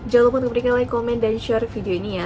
jangan lupa untuk berikan like komen dan share video ini ya